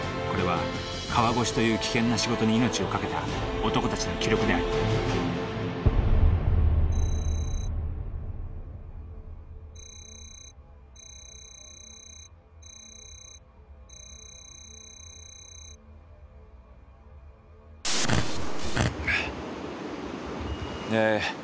これは「川越」という危険な仕事に命を懸けた男たちの記録であるえ